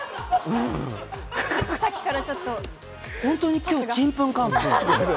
本当に今日ちんぷんかんぷん。